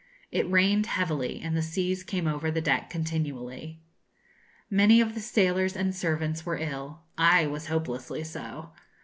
It rained heavily, and the seas came over the deck continually. Many of the sailors and servants were ill. I was hopelessly so.